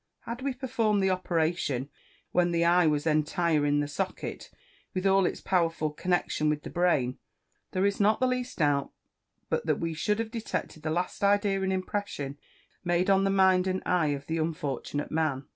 Had we performed the operation when the eye was entire in the socket, with all its powerful connection with the brain, there is not the least doubt but that we should have detected the last idea and impression made on the mind and eye of the unfortunate man.